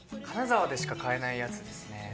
金沢でしか買えないやつですね。